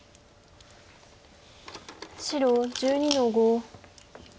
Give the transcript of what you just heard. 白１２の五。